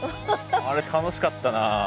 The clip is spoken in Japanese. あれ楽しかったな。